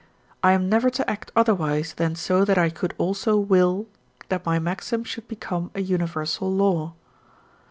I am never to act otherwise than so that I could also will that my maxim should become a universal law.